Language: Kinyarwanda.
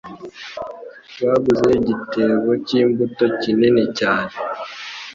Baguze igitebo cyimbuto kinini cyane